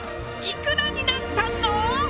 いくらになったの？